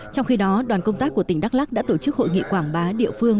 trong khi đó đoàn công tác của tỉnh đắk lắc đã tổ chức hội nghị quảng bá địa phương